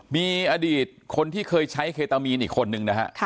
มีอดีตคนที่เคยใช้เคตามีนอีกคนนึงนะฮะ